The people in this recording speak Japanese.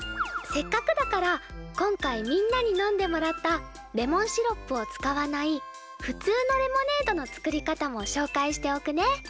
せっかくだから今回みんなに飲んでもらったレモンシロップを使わないふつうのレモネードの作り方もしょうかいしておくね。